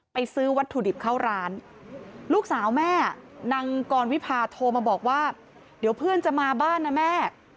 ซื้อวัตถุดิบเข้าร้านลูกสาวแม่นางกรวิพาโทรมาบอกว่าเดี๋ยวเพื่อนจะมาบ้านนะแม่